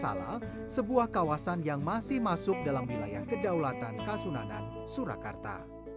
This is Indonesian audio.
salah sebuah kawasan yang masih masuk dalam wilayah kedaulatan kasunanan surakarta